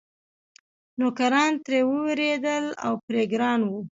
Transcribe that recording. نوکران ترې وېرېدل او پرې ګران وو.